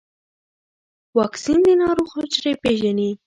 واکسین د ناروغ حجرې پېژني.